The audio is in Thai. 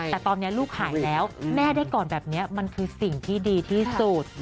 แต่ตอนนี้ลูกหายแล้วแม่ได้ก่อนแบบนี้มันคือสิ่งที่ดีที่สุด